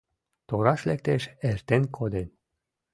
Тораш лектеш, эртен коден.